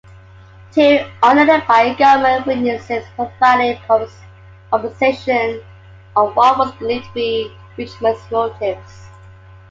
Two unidentified government witnesses provided observations of what was believed to be Richmond's motives.